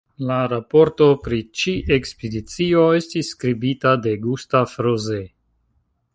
La raporto pri ĉi-ekspedicio estis skribita de Gustav Rose.